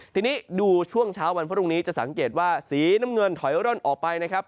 ทีนี้ดูช่วงเช้าวันพรุ่งนี้จะสังเกตว่าสีน้ำเงินถอยร่อนออกไปนะครับ